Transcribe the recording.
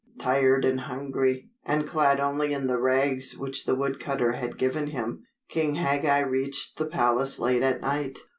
Tired and hungry, and clad only in the rags which the wood cutter had given him, King Hagag reached the palace late at night.